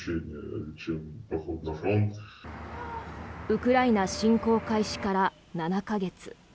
ウクライナ侵攻開始から７か月。